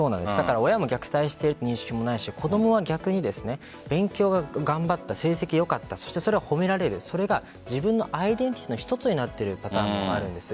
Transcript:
親にも虐待しているという認識もないし子供は逆に勉強を頑張った、成績良かったそれを褒められることが自分のアイデンティティーの一つになっているパターンもあるんです。